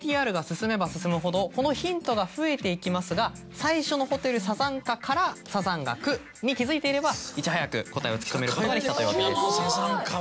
実はＶＴＲが進めば進むほどこのヒントが増えていきますが最初の「ホテルさざんか」から３×３＝９に気付いていればいち早く答えを突き止めることができたというわけです。